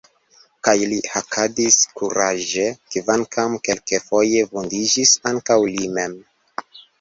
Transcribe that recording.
Kaj li hakadis kuraĝe, kvankam kelkfoje vundiĝis ankaŭ li mem.